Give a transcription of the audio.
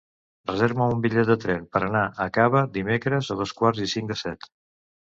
Reserva'm un bitllet de tren per anar a Cava dimecres a dos quarts i cinc de set.